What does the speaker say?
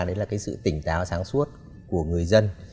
đấy là cái sự tỉnh táo sáng suốt của người dân